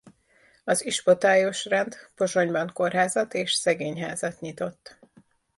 Az ispotályos rend Pozsonyban kórházat és szegényházat nyitott.